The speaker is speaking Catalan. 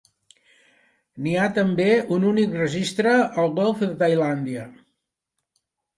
N'hi ha també un únic registre al golf de Tailàndia.